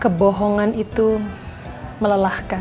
kebohongan itu melelahkan